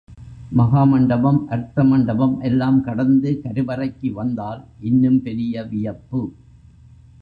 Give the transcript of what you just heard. மகா மண்டபம், அர்த்த மண்டபம் எல்லாம் கடந்து கருவறைக்கு வந்தால் இன்னும் பெரிய வியப்பு.